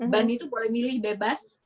bandi itu boleh milih bebas